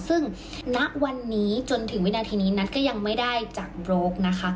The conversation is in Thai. ซึ่งณวันนี้จนถึงวินาทีนี้นัทก็ยังไม่ได้จากโบรกนะคะ